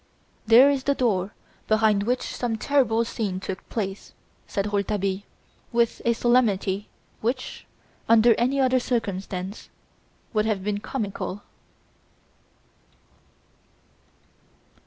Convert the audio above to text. "There is the door behind which some terrible scene took place," said Rouletabille, with a solemnity which, under any other circumstances, would have been comical.